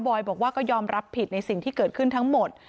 อยบอกว่าก็ยอมรับผิดในสิ่งที่เกิดขึ้นทั้งหมด